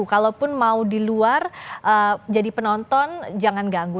kalaupun mau di luar jadi penonton jangan ganggu